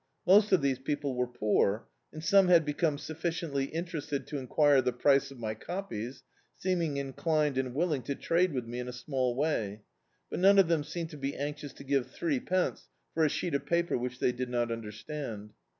Most of these people were poor, and some had become sufficiently interested to enquire the price of my copies, seem ing inclined and willing to trade with me in a small way, but none of diem seemed to be anxious to ^ve threepence for a sheet of paper which they did not understand.